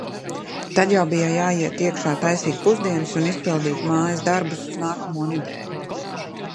Tad jau bija jāiet iekšā taisīt pusdienas un izpildīt mājas darbus uz nākamo nedēļu.